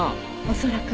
恐らく。